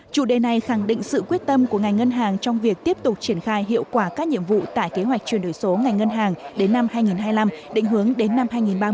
chủ đề này khẳng định sự quyết tâm của ngành ngân hàng trong việc tiếp tục triển khai hiệu quả các nhiệm vụ tại kế hoạch chuyển đổi số ngành ngân hàng đến năm hai nghìn hai mươi năm định hướng đến năm hai nghìn ba mươi